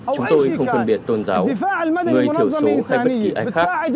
chúng tôi không phân biệt tôn giáo người thiểu số hay bất kỳ ai khác